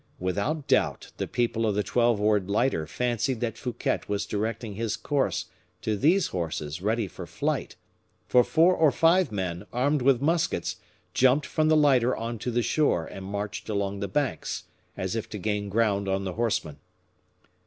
Without doubt the people of the twelve oared lighter fancied that Fouquet was directing his course to these horses ready for flight, for four or five men, armed with muskets, jumped from the lighter on to the shore, and marched along the banks, as if to gain ground on the horseman.